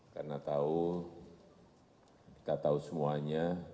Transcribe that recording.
karena tahu kita tahu semuanya